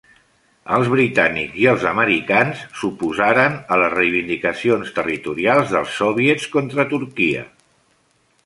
Els britànics i els americans s'oposaren a les reivindicacions territorials dels soviets contra Turquia.